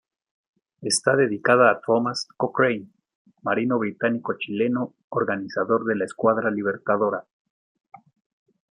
Está dedicada a Thomas Cochrane, marino británico-chileno, organizador de la Escuadra Libertadora.